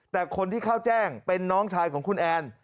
แต่คนที่เข้าแจ้งเป็นน้องชายของคุณแอน